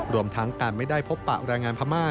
รวมทั้งการไม่ได้พบปะแรงงานพม่า